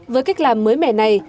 với cách làm mới mẻ này